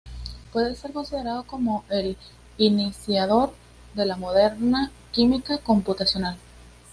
Puede ser considerado como el iniciador de la moderna química computacional.